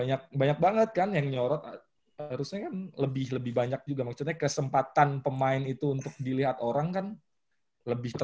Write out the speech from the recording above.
banyak banyak banget kan yang nyorot harusnya kan lebih lebih banyak juga maksudnya kesempatan pemain itu untuk dilihat orang kan lebih